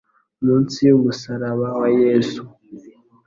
Munsi y’umusaraba wa yesu